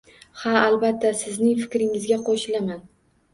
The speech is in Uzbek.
Ha, albatta, sizning fikringizga qoʻshilaman.